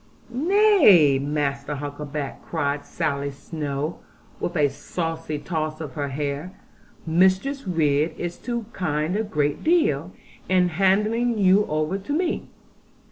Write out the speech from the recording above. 'Nay, Master Huckaback,' cried Sally Snowe, with a saucy toss of her hair; 'Mistress Ridd is too kind a great deal, in handing you over to me.